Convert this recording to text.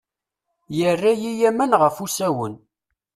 Yerra-iyi aman ɣef usawen.